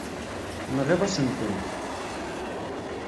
Tenɣiḍ-asen-tent.